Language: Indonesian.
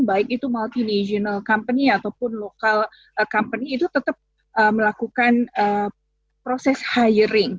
baik itu multinagional company ataupun local company itu tetap melakukan proses hiring